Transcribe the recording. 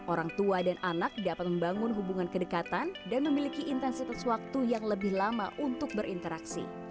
orang tua dan anak dapat membangun hubungan kedekatan dan memiliki intensitas waktu yang lebih lama untuk berinteraksi